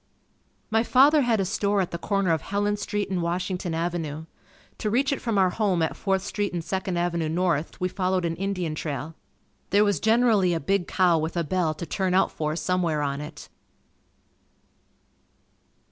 My father had a store at the corner of Helen St., and Washington Avenue. To reach it from our home at Fourth Street and Second Avenue North, we followed an Indian trail. There was generally a big cow with a bell to turn out for somewhere on it.